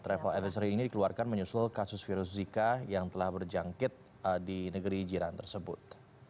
travel adversary ini dikeluarkan menyusul kasus virus zika yang telah berjangkit di negeri jiran tersebut